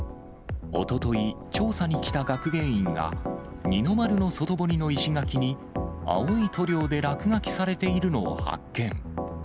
おととい、調査に来た学芸員が、二之丸の外堀の石垣に、青い塗料で落書きされているのを発見。